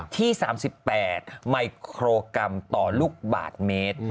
ที่๓๘มิโครกรัมต่อลูกบาทเมตร